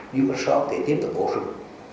nếu có xót thì tiếp tục bổ sung